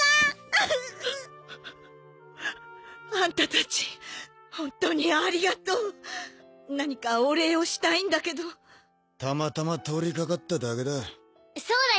うぅアンタたち本当にありがとう何かお礼をしたいんだけどたまたま通りかかっただけだそうだよ